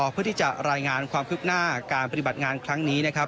เพื่อที่จะรายงานความคืบหน้าการปฏิบัติงานครั้งนี้นะครับ